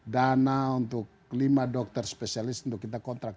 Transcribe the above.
dana untuk lima dokter spesialis untuk kita kontrak